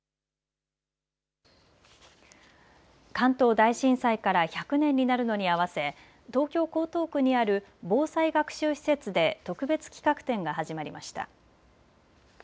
関東大震災から１００年になるのに合わせ東京江東区にある防災学習施設で特別企画展が始まりました。